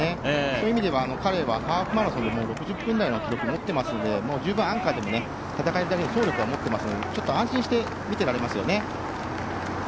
そういう意味では彼はハーフマラソンで６０分台の記録を持っていますので十分、アンカーでも戦える走力は持っていますので安心して見ていられますよね。